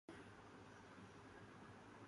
اس لئے آواز بھی گھسی ہوئی آتی ہے۔